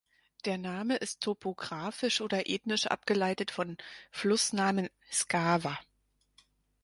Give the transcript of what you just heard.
Der Name ist topographisch oder ethnisch abgeleitet von Flussnamen "Skawa".